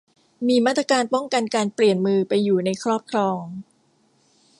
มีมาตรการป้องกันการเปลี่ยนมือไปอยู่ในครอบครอง